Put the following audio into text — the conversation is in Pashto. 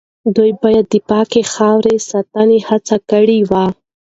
دوی باید د پاکې خاورې د ساتنې هڅه کړې وای.